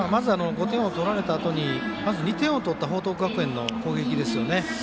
５点を取られたあとに２点を取った報徳学園の攻撃ですよね。